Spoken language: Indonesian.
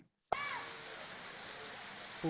masker di indonesia